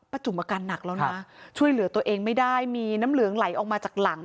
จุ๋มอาการหนักแล้วนะช่วยเหลือตัวเองไม่ได้มีน้ำเหลืองไหลออกมาจากหลัง